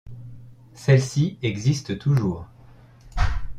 Celle-ci existe toujours.